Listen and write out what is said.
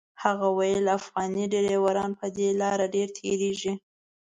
هغه ویل افغاني ډریوران په دې لاره ډېر تېرېږي.